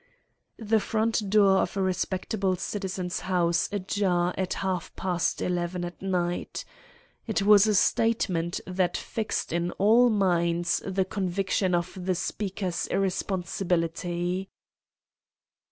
The front door of a respectable citizen's house ajar at half past eleven at night. It was a statement that fixed in all minds the conviction of the speaker's irresponsibility.